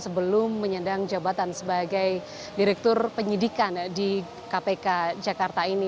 sebelum menyandang jabatan sebagai direktur penyidikan di kpk jakarta ini